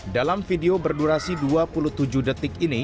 dalam video berdurasi dua puluh tujuh detik ini